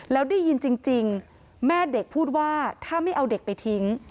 แล้วได้ยินจริงแม่เด็กพูดว่าถ้าไม่เอาเด็กไปทิ้ง